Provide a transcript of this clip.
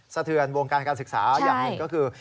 สะเทือนวงการการศึกษาอย่างหนึ่งก็คือ